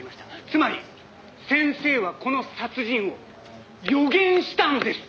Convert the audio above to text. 「つまり先生はこの殺人を予言したんです！」